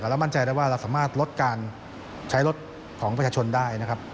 เรามั่นใจได้ว่าเราสามารถลดการใช้รถของประชาชนได้นะครับ